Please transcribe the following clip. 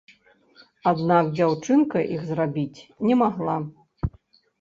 Аднак дзяўчынка іх зрабіць не магла.